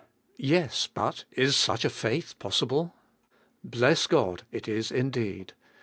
3. Yes, but is such a faith possible ? Bless God 1 it is indeed.